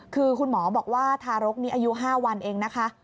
คือคุณหมอบอกว่าทารกนี้อายุ๕วันเองนะคะ